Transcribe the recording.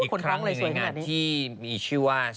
อีกครั้งอยู่ในงานที่มีชื่อว่า